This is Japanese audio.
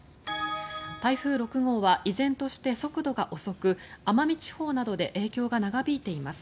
台風６号は依然として速度が遅く奄美地方などで影響が長引いています。